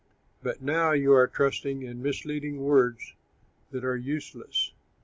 "'But now you are trusting in misleading words that are useless.